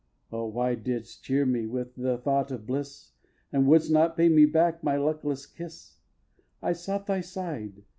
vi. Oh, why didst cheer me with the thought of bliss, And wouldst not pay me back my luckless kiss? I sought thy side.